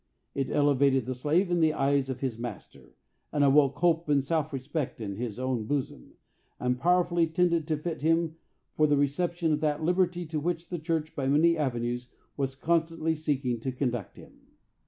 It elevated the slave in the eyes of his master, and awoke hope and self respect in his own bosom, and powerfully tended to fit him for the reception of that liberty to which the church by many avenues was constantly seeking to conduct him.